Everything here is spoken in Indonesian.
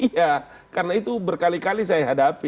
iya karena itu berkali kali saya hadapi